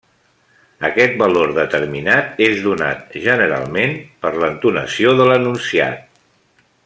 Aquest valor determinat és donat, generalment, per l'entonació de l'enunciat.